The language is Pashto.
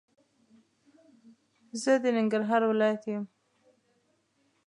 زه د ننګرهار ولايت يم